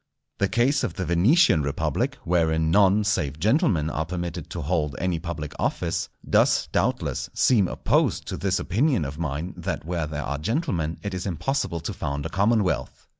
The case of the Venetian Republic, wherein none save gentlemen are permitted to hold any public office, does, doubtless, seem opposed to this opinion of mine that where there are gentlemen it is impossible to found a commonwealth.